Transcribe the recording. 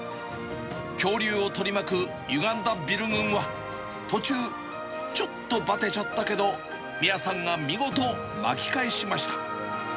恐竜を取り巻く、ゆがんだビル群は、途中、ちょっとばてちゃったけど、みあさんが見事、巻き返しました。